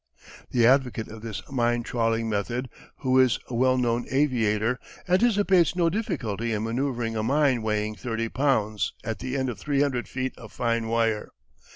The advocate of this mine trawling method, who is a well known aviator, anticipates no difficulty in manoeuvring a mine weighing 30 pounds at the end of 300 feet of fine wire.